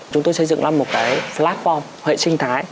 chúng tôi xây dựng ra một cái platform hệ sinh thái